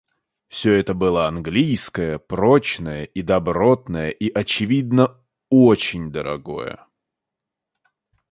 Всё это было английское, прочное и добротное и, очевидно, очень дорогое.